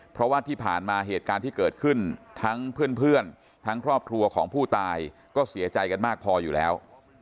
เพราะว่าที่ผ่านมาเหตุการณ์ที่เกิดขึ้นทั้งเพื่อนทั้งครอบครัวของผู้ตายก็เสียใจกันมากพออยู่แล้ว